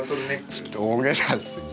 ちょっと大げさですね。